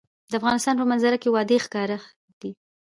د افغانستان په منظره کې وادي ښکاره ده.